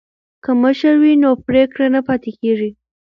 که مشر وي نو پریکړه نه پاتې کیږي.